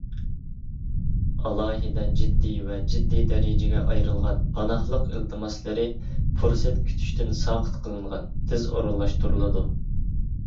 (ئالاھىدە جىددىي ۋە جىددىي دەرىجىگە ئايرىلغان پاناھلىق ئىلتىماسلىرى پۇرسەت كۈتۈشتىن ساقىت قىلىنغان، تېز ئورۇنلاشتۇرۇلىدۇ).